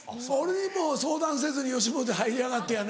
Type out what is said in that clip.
俺にもう相談せずに吉本入りやがってやな。